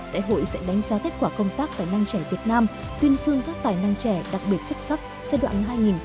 đại hội sẽ đánh giá kết quả công tác tài năng trẻ việt nam tuyên dương các tài năng trẻ đặc biệt xuất sắc giai đoạn hai nghìn một mươi tám hai nghìn hai mươi